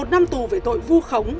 một năm tù về tội vu khống